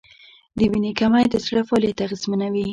د وینې کمی د زړه فعالیت اغېزمنوي.